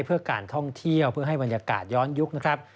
เพื่อการท่องเที่ยวเพื่อให้บรรยากาศย้อนยุคนะครับ